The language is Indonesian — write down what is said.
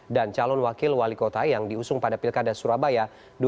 dan calon wakil wali kota yang diusung pada pilkada surabaya dua ribu dua puluh